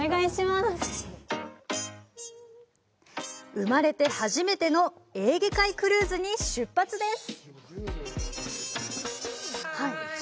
生まれて初めてのエーゲ海クルーズに出発です！